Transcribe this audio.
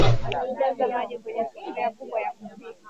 jaza maji kwenye sufuria kubwa ya kupikia